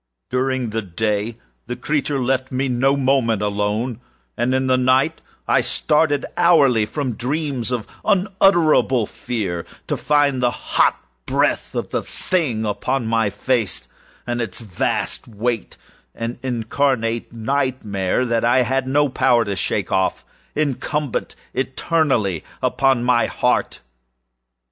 During the former the creature left me no moment alone, and in the latter I started hourly from dreams of unutterable fear to find the hot breath of the thing upon my face, and its vast weightâan incarnate nightmare that I had no power to shake offâincumbent eternally upon my _heart!